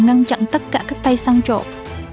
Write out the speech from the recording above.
ngăn chặn tất cả các tay săn trộm